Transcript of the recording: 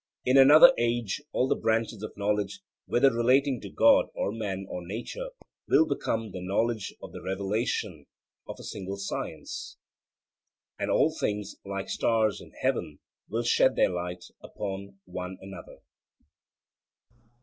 In another age, all the branches of knowledge, whether relating to God or man or nature, will become the knowledge of 'the revelation of a single science' (Symp.), and all things, like the stars in heaven, will shed their light upon one another.